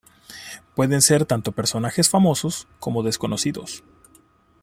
Pueden ser tanto personajes famosos como desconocidos.